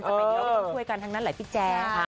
ช่วยกันทั้งนั้นหลายพี่แจ้